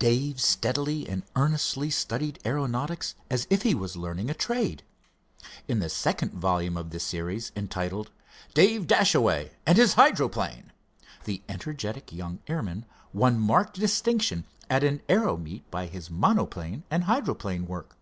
Dave steadily and earnestly studied aeronautics as if he was learning a trade. In the second volume of this series, entitled "Dave Dashaway and His Hydroplane," the energetic young airman won marked distinction at an aero meet by his monoplane and hydroplane work.